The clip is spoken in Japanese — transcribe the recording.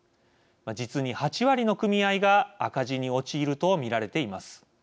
実に８割の組合が赤字に陥ると見られています。